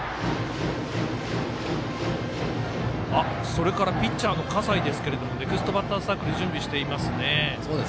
それからピッチャーの葛西ですがネクストバッターズサークル準備していますね。